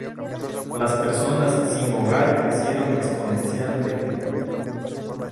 Las personas sin hogar crecieron exponencialmente.